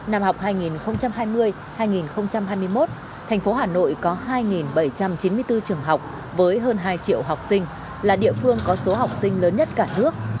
năm học hai nghìn hai mươi hai nghìn hai mươi một thành phố hà nội có hai bảy trăm chín mươi bốn trường học với hơn hai triệu học sinh là địa phương có số học sinh lớn nhất cả nước